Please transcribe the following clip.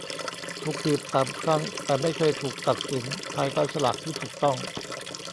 ถูกบีบสามครั้ง แต่ไม่เคยถูกตัดสินภายใต้ฉลากที่ถูกต้อง